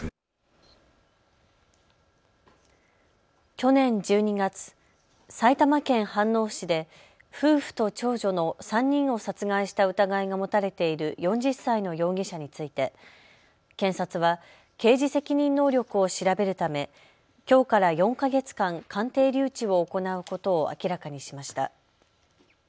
去年１２月、埼玉県飯能市で夫婦と長女の３人を殺害した疑いが持たれている４０歳の容疑者について検察は刑事責任能力を調べるためきょうから４か月間、鑑定留置を行うことを明らかにしました。